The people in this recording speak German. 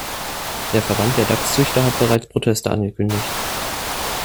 Der Verband der Dachszüchter hat bereits Proteste angekündigt.